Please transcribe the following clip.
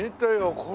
これ。